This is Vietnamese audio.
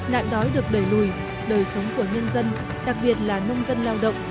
nạn đói được đẩy lùi đời sống của nhân dân đặc biệt là nông dân lao động